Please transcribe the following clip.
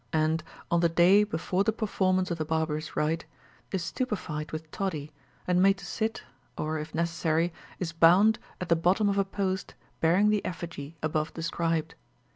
and, on the day before the performance of the barbarous rite, is stupefied with toddy, and made to sit, or, if necessary, is bound at the bottom of a post bearing the effigy above described.